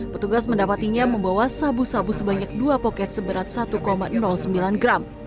petugas mendapatinya membawa sabu sabu sebanyak dua poket seberat satu sembilan gram